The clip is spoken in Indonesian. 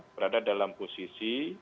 berada dalam posisi